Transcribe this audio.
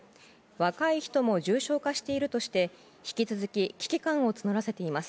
若い人も重症化しているとして引き続き危機感を募らせています。